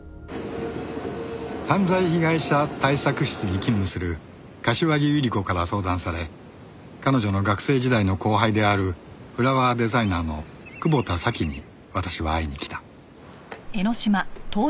犯罪被害者対策室に勤務する柏木百合子から相談され彼女の学生時代の後輩であるフラワーデザイナーの窪田沙希に私は会いにきた